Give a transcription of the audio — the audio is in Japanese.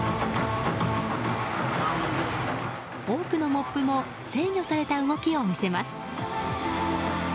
多くのモップも制御された動きを見せます。